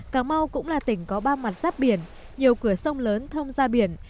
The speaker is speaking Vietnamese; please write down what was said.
cà mau cũng là tỉnh có ba mặt sát biển nhiều cửa sông lớn thông ra biển